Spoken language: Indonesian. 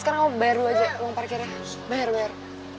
sekarang kamu bayar dulu aja uang parkirnya bayar bayar